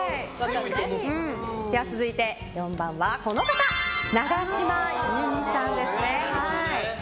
４番は永島優美さんですね。